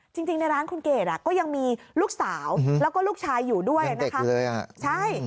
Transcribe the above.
จริงในร้านคุณเกดก็ยังมีลูกสาวแล้วก็ลูกชายอยู่ด้วยนะคะใช่